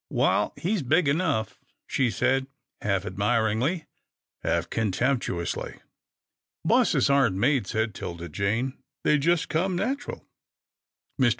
Wal, he's big enough," she said half ad miringly, half contemptuously. " Bosses aren't made," said 'Tilda Jane. " They just come natural. Mr.